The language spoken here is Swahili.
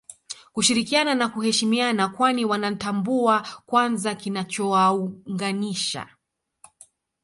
Kushirikiana na kuheshimiana kwani Wanatambua kwanza kinachowaunganisha